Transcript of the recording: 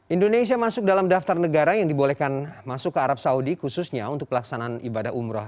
indonesia masuk dalam daftar negara yang dibolehkan masuk ke arab saudi khususnya untuk pelaksanaan ibadah umroh